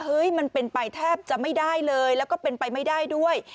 มันเป็นไปแทบจะไม่ได้เลยแล้วก็เป็นไปไม่ได้ด้วย